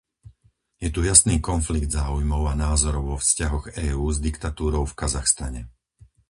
Je tu jasný konflikt záujmov a názorov vo vzťahoch EÚ s diktatúrou v Kazachstane.